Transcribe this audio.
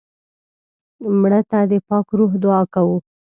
مړه ته د پاک روح دعا کوو